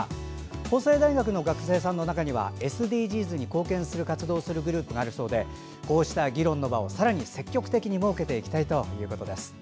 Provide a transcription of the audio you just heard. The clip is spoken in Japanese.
法政大学の学生さんの中にはＳＤＧｓ達成に貢献する活動をするグループがあるそうでこうした議論の場をさらに積極的に設けていきたいということです。